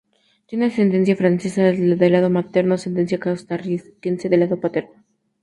Tiene ascendencia francesa de lado materno y ascendencia costarricense de lado paterno.